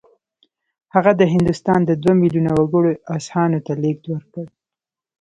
هغه د هندوستان د دوه میلیونه وګړو اذهانو ته لېږد ورکړ